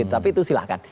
tapi itu silahkan